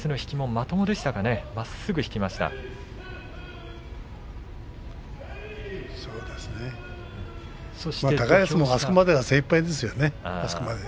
高安もあそこまでが精いっぱいですよね。